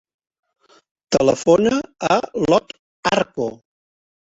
Telefona a l'Ot Arco.